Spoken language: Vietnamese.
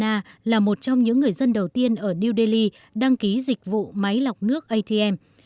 chị lanka sutana là một trong những người dân đầu tiên ở new delhi đăng ký dịch vụ máy lọc nước atm